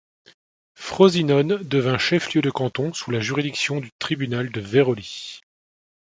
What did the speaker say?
Frosinone devint chef-lieu de canton sous la juridiction du tribunal de Veroli.